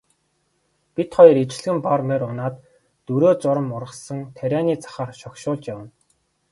Бид хоёр ижилхэн бор морь унаад дөрөө зурам ургасан тарианы захаар шогшуулж явна.